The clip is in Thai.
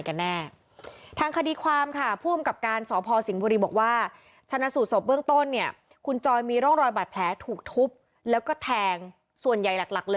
แต่ญาติญาติก็ไม่เคยคิดเลยว่านายนรงวิทย์จะลงมือจริง